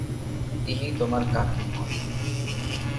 ইনি তোমার কাকি হন।